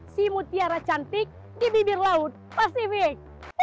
si mutiara cantik di bibir laut pasifik